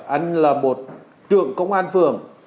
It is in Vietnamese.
anh là một trưởng công an phường